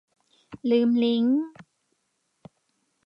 ลืมลิงก์